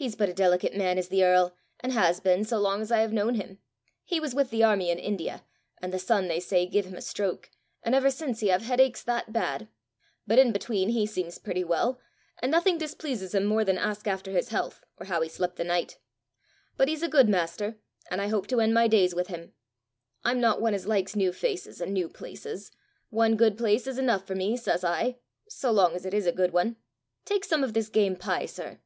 He's but a delicate man is the earl, and has been, so long as I have known him. He was with the army in India, and the sun, they say, give him a stroke, and ever since he have headaches that bad! But in between he seems pretty well, and nothing displeases him more than ask after his health, or how he slep the night. But he's a good master, and I hope to end my days with him. I'm not one as likes new faces and new places! One good place is enough for me, says I so long as it is a good one. Take some of this game pie, sir."